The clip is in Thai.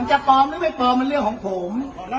จะปลอมหรือไม่ปลอมมันเรื่องของผม